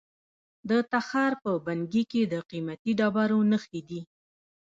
د تخار په بنګي کې د قیمتي ډبرو نښې دي.